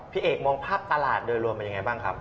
พี่เอกมองภาพตลาดโดยรวมเป็นยังไงบ้างครับ